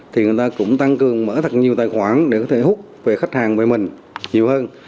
thì người ta cũng tăng cường mở thật nhiều tài khoản để có thể hút về khách hàng với mình nhiều hơn